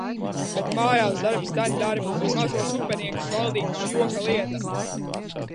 Bet mājās darbs dzen darbu un mazos Upeniekus valdīt nav joka lieta.